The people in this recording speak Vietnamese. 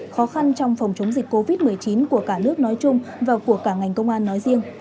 khó khăn trong phòng chống dịch covid một mươi chín của cả nước nói chung và của cả ngành công an nói riêng